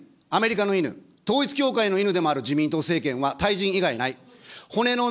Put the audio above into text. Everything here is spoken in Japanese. アメリカの犬、統一教会の犬でもある自民党政権は退陣以外ない。